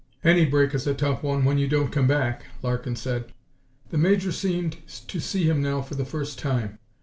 "Any break is a tough one when you don't come back," Larkin said. The Major seemed to see him now for the first time.